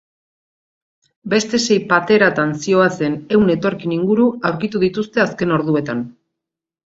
Beste sei pateratan zihoazen ehun etorkin inguru aurkitu dituzte azken orduetan.